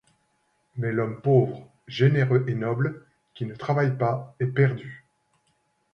Mais l'homme pauvre, généreux et noble, qui ne travaille pas, est perdu.